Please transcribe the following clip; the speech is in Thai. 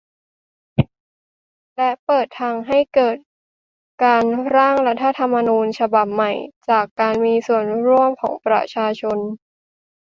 และเปิดทางให้เกิดการ "ร่าง" รัฐธรรมนูญฉบับใหม่ จากการมีส่วนร่วมของประชาชน